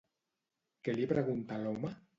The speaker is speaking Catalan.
Què li pregunta l'home?